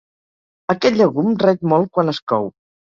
Aquest llegum ret molt quan es cou.